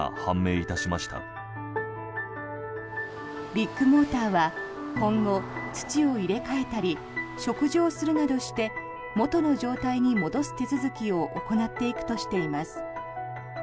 ビッグモーターは今後土を入れ替えたり植樹をするなどして元の状態に戻す手続きを行っていくとしています。